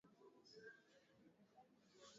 Kule ng'o hapa ng'o.